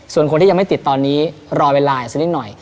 ส่วนคนที่ยังไม่ติดตอนนี้รอเวลาอีกสักนิดหน่อย